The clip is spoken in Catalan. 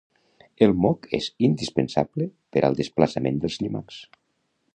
El moc és indispensable per al desplaçament dels llimacs